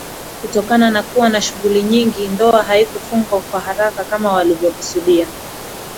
Kutokana na kuwa na shughuli nyingi ndoa haikufungwa kwa haraka kama walivyokusudia